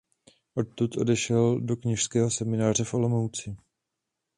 Odtud odešel do kněžského semináře v Olomouci.